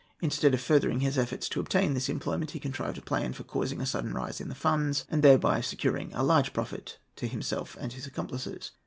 Instead of furthering his efforts to obtain this employment, he contrived a plan for causing a sudden rise in the funds, and thereby securing a large profit to himself and his accomplices.